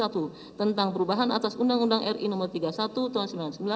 tentang perubahan atas undang undang ri no tiga puluh satu tahun seribu sembilan ratus sembilan puluh sembilan